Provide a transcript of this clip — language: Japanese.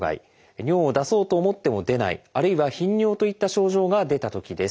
尿を出そうと思っても出ないあるいは頻尿といった症状が出たときです。